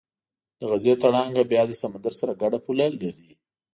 د غزې تړانګه بیا له سمندر سره ګډه پوله لري.